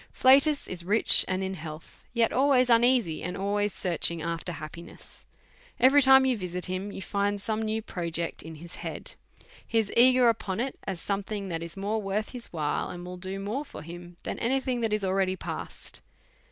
Flatus is rich and in health, yet always uneasy, and always searching after happiness. Every time you vi sit him you find some new project in his head, he is eager upon it, as something that is more worth his while, and will do more for him than any thing that is already past.